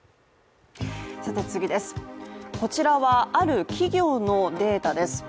こちらはある企業のデータです。